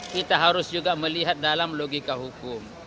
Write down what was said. kita harus juga melihat dalam logika hukum